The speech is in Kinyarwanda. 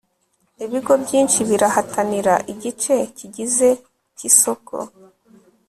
ibigo byinshi birahatanira igice gikize cyisoko